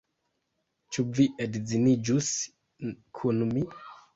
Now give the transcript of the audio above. Ĉu vi edziniĝus kun mi?